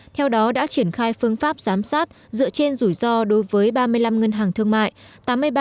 theo đó đã triển khai phương pháp giám sát dựa trên rủi ro đối với ba mươi năm ngân hàng thương mại